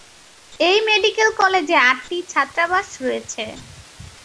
এই মেডিকেল কলেজে আটটি ছাত্রাবাস রয়েছে।